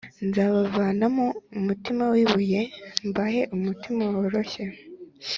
Nzabavanamo umutima w ibuye h mbahe umutima woroshye i